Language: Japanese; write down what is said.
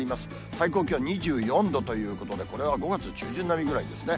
最高気温２４度ということで、これは５月中旬並みぐらいですね。